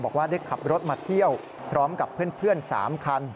บอกว่าได้ขับรถมาเที่ยวพร้อมกับเพื่อน๓คัน